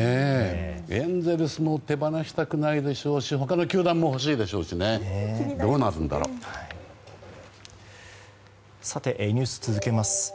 エンゼルスも手放したくないでしょうし他の球団も欲しいでしょうしニュース続けます。